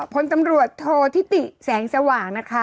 พลตำรวจโทษธิติแสงสว่างนะคะ